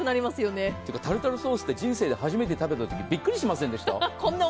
タルタルソースって人生で初めて食べたときにびっくりしませんでした？